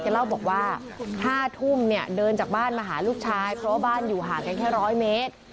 เล่าบอกว่า๕ทุ่มเนี่ยเดินจากบ้านมาหาลูกชายเพราะว่าบ้านอยู่ห่างกันแค่๑๐๐เมตร